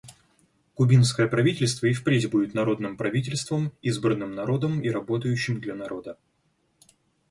Кубинское правительство и впредь будет народным правительством, избранным народом и работающим для народа.